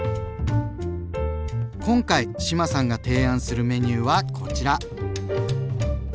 今回志麻さんが提案するメニューはこちら。